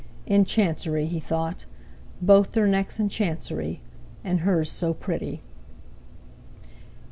"In chancery!" he thought. "Both their necks in chancery—and her's so pretty!"